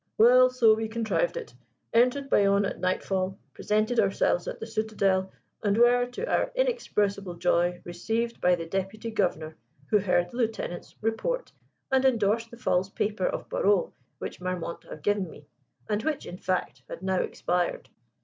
"Well, so we contrived it; entered Bayonne at nightfall, presented ourselves at the Citadel, and were, to our inexpressible joy, received by the Deputy Governor, who heard the Lieutenant's report and endorsed the false paper of parole which Marmont had given me, and which, in fact, had now expired.